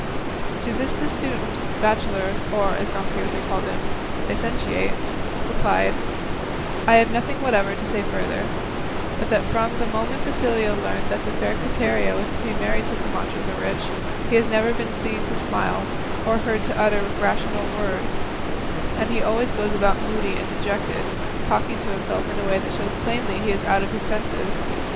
To this the student, bachelor, or, as Don Quixote called him, licentiate, replied, "I have nothing whatever to say further, but that from the moment Basilio learned that the fair Quiteria was to be married to Camacho the rich, he has never been seen to smile, or heard to utter rational word, and he always goes about moody and dejected, talking to himself in a way that shows plainly he is out of his senses.